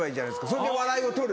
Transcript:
それで笑いをとる。